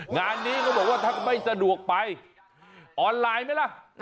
งานนี้เขาบอกว่าถ้าไม่สะดวกไปออนไลน์ไหมล่ะ